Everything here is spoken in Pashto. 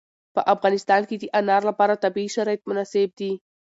په افغانستان کې د انار لپاره طبیعي شرایط مناسب دي.